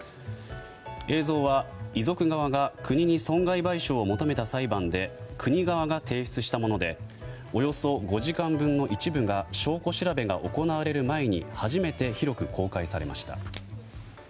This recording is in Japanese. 映像は遺族側が国に損害賠償を求めた裁判で国側が提出したものでおよそ５時間分の一部が証拠調べが行われる前に初めて広く公開されました。